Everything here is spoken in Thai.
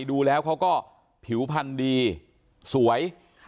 ดูแล้วเขาก็ผิวพันธุ์ดีสวย